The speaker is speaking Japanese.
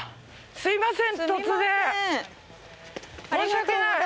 すみません。